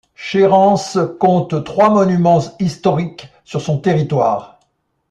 Chérence compte trois monuments historiques sur son territoire.